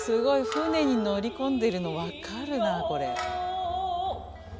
舟に乗り込んでいるの分かるなこれ。